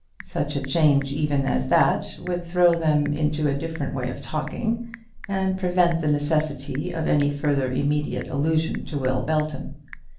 Such a change even as that would throw them into a different way of talking, and prevent the necessity of any further immediate allusion to Will Belton.